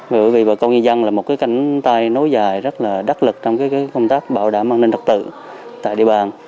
bởi vì bà con nhân dân là một cái cánh tay nối dài rất là đắc lực trong cái công tác bảo đảm an ninh trật tự tại địa bàn